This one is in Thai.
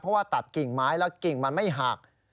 เพราะว่าตัดกิ่งไม้แล้วกิ่งมันไม่หัก